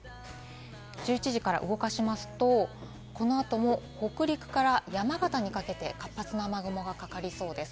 １１時から動かしますと、この後も北陸から山形にかけて、活発な雨雲がかかりそうです。